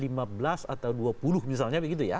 lima belas atau dua puluh misalnya begitu ya